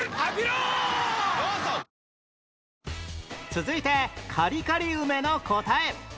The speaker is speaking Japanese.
続いてカリカリ梅の答え